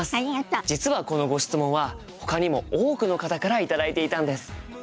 実はこのご質問はほかにも多くの方から頂いていたんです。